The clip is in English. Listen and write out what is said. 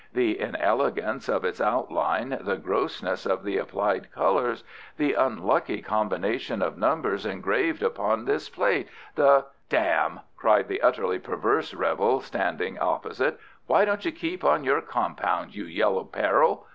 The inelegance of its outline, the grossness of the applied colours, the unlucky combination of numbers engraved upon this plate, the " "Damme!" cried the utterly perverse rebel standing opposite, "why don't you keep on your Compound, you Yellow Peril?